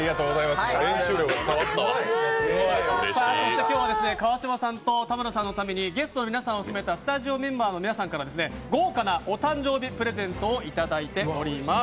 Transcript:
今日は川島さんと田村さんのために、ゲストの方を含めたスタジオメンバーの皆さんから豪華なお譚秒日プレゼントをいただいております。